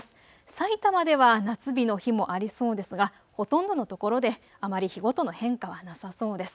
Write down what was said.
さいたまでは夏日の日もありそうですがほとんどのところであまり日ごとの変化はなさそうです。